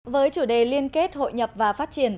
với chủ đề liên kết hội nhập và phát triển